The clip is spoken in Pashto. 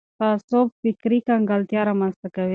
تعصب فکري کنګلتیا رامنځته کوي